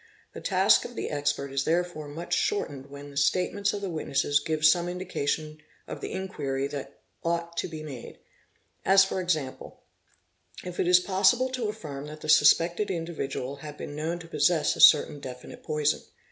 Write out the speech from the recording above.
The task of the expert is therefore much shortened when the statements of the witnesses give some indication of the inquiry that ought to be made; as for example, if it is possible to affirm that the suspected indi vidual had been known to possess a certain definite poison.